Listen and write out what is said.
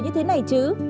như thế này chứ